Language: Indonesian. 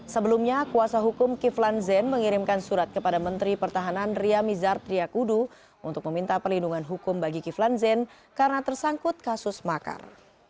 sebelumnya kuasa hukum kiflan zen mengirimkan surat kepada menteri pertahanan ria mizar triakudu untuk meminta perlindungan hukum bagi kiflan zen karena tersangkut kasus makar